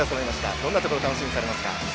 どんなところを楽しみにされますか。